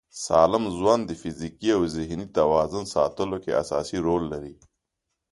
سالم ژوند د فزیکي او ذهني توازن ساتلو کې اساسي رول لري.